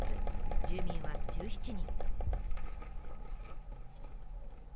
住民は１７人。